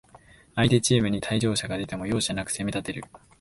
相手チームに退場者が出ても、容赦なく攻めたてる